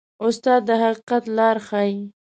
استاد د حقیقت لاره ښيي.